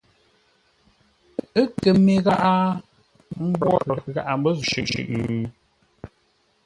Ə́ kə mê gháʼá? Mbwórə gháʼa mbə́ zə̂u shʉʼʉ ?